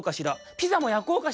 ピザもやこうかしら」。